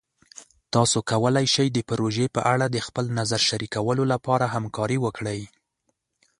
تاسو کولی شئ د پروژې په اړه د خپل نظر شریکولو لپاره همکاري وکړئ.